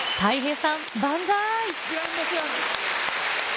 グランドスラム！